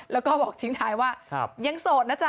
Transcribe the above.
แล้วก็บอกทิ้งท้ายว่ายังโสดนะจ๊